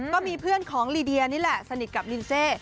ก็มีเพื่อนของลีเดียนี่แหละสนิทกับลินเซ